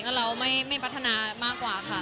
ก็เราไม่พัฒนามากกว่าค่ะ